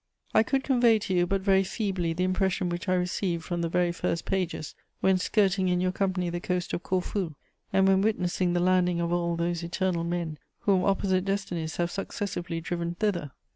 "I could convey to you but very feebly the impression which I received from the very first pages, when skirting in your company the coast of Corfu, and when witnessing the landing of all those 'eternal' men whom opposite destinies have successively driven thither.